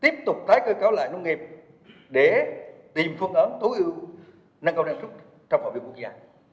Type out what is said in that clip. tiếp tục tái cơ cấu lại nông nghiệp để tìm phương ứng tối ưu năng cầu năng sức trong hội viên quốc gia